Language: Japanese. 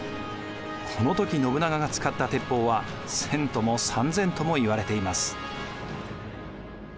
この時信長が使った鉄砲は１，０００とも３，０００ともいわれています。